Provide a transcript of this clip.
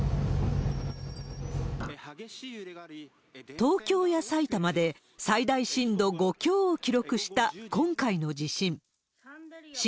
東京や埼玉で、最大震度５強を記録した今回の地震。